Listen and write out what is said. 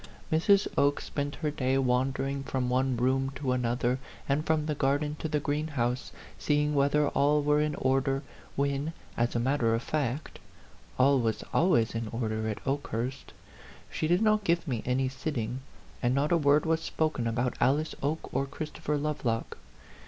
Mrs. Oke spent her day wandering from one room to another, and from the garden to the greenhouse, seeing whether all were in or der, when, as a matter of fact, all was always in order at Okehurst. She did not give me any sitting, and not a word was spoken about Alice Oke or Christopher Lovelock.